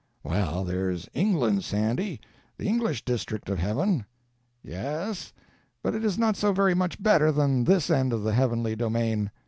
"Well, there's England, Sandy—the English district of heaven." "Yes, but it is not so very much better than this end of the heavenly domain.